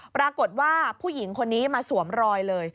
ปรากฏว่าผู้หญิงคนนี้มาสวมรอยเลย